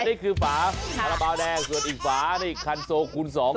นี่คือฝาคาราบาลแดงส่วนอีกฝานี่คันโซคูณสอง